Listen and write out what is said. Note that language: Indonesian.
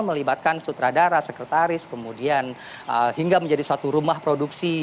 melibatkan sutradara sekretaris kemudian hingga menjadi suatu rumah produksi